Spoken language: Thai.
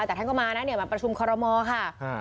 แต่ท่านก็มานะเนี่ยมาประชุมคอรมอค่ะ